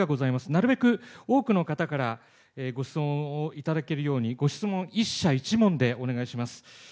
なるべく多くの方からご質問を頂けるように、ご質問１社１問でお願いします。